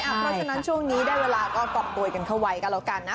เพราะฉะนั้นช่วงนี้ได้เวลาก็ปรับตัวกันเข้าไว้กันแล้วกันนะ